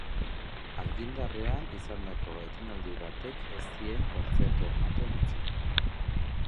Argindarrean izandako etenaldi batek ez zien kontzertua ematen utzi.